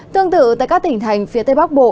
tương tự tại các tỉnh thành phía tây bắc bộ